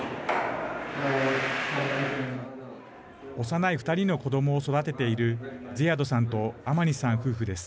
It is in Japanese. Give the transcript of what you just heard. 幼い２人の子どもを育てているズィアドさんとアマニさん夫婦です。